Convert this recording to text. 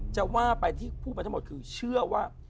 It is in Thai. จะว่าไปที่พูดไปทั้งหมดคือเชื่อว่า